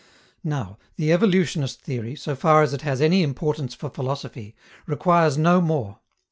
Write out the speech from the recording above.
Now, the evolutionist theory, so far as it has any importance for philosophy, requires no more.